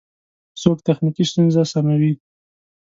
څوک تخنیکی ستونزی سموي؟